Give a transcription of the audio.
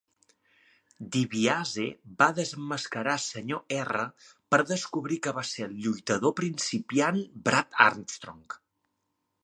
Dibiase va desemmascarar Sr. R per descobrir que va ser el lluitador principiant Brad Armstrong.